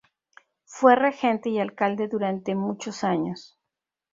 Fue regente y alcalde durante muchos años.